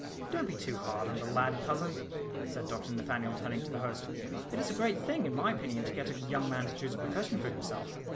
"Don't be too hard on the lad, cousin," said Dr Nathaniel, turning to the host. "It is a great thing, in my opinion, to get a young man to choose a profession for himself.